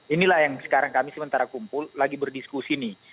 inilah yang sekarang kami sementara kumpul lagi berdiskusi nih